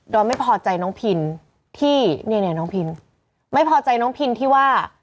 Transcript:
ไม่พอใจน้องพินที่เนี่ยน้องพินไม่พอใจน้องพินที่ว่า